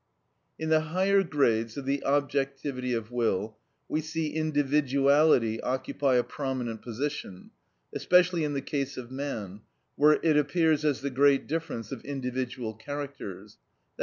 In the higher grades of the objectivity of will we see individuality occupy a prominent position, especially in the case of man, where it appears as the great difference of individual characters, _i.